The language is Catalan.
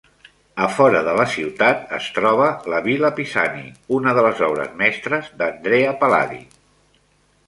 A fora de la ciutat es troba la "Villa Pisani", una de les obres mestres d'Andrea Palladio.